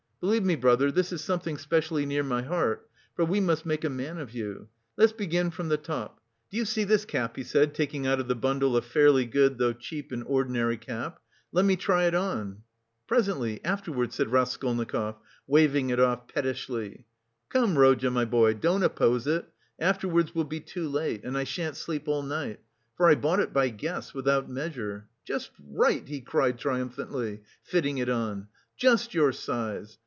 "Believe me, brother, this is something specially near my heart. For we must make a man of you. Let's begin from the top. Do you see this cap?" he said, taking out of the bundle a fairly good though cheap and ordinary cap. "Let me try it on." "Presently, afterwards," said Raskolnikov, waving it off pettishly. "Come, Rodya, my boy, don't oppose it, afterwards will be too late; and I shan't sleep all night, for I bought it by guess, without measure. Just right!" he cried triumphantly, fitting it on, "just your size!